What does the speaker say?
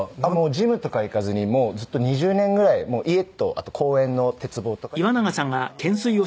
ジムとかは行かずにもうずっと２０年ぐらい家とあと公園の鉄棒とかで懸垂とか。